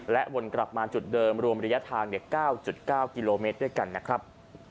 วนกลับมาจุดเดิมรวมระยะทาง๙๙กิโลเมตรด้วยกันนะครับ